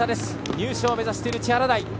入賞を目指している千原台。